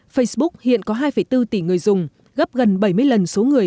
facebook hiện có hai bốn tỷ người dùng gấp gần bảy mươi lần số người